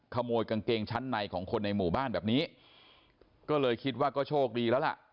ขโมยกางเกงชั้นในของคนในหมู่บ้านแบบนี้ก็เลยคิดว่าก็โชคดีแล้วล่ะ